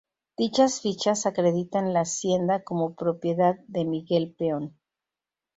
Dichas fichas acreditan la hacienda como propiedad de Miguel Peón.